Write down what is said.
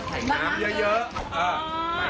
สวัสดีครับคุณผู้ชมครับ